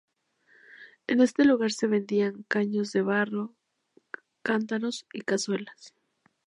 En este lugar se vendían caños de barro, cántaros y cazuelas.